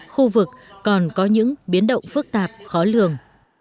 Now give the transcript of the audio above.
khu vực còn có những biến động phức tạp khó lường